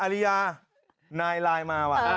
อารีรัฐนายไลน์มาว่ะ